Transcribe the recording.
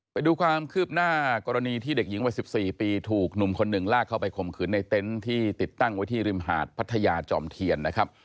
ไปดูความคืบหน้ากรณีที่เด็กหญิงวัย๑๔ปีถูกหนุ่มคนหนึ่งลากเข้าไปข่มขืนในเต็นต์ที่ติดตั้งไว้ที่ริมหาดพัทยาจอมเทียนนะครับ